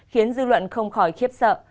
khiến dư luận không khỏi khiếp sợ